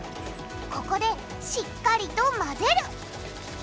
ここでしっかりとまぜる！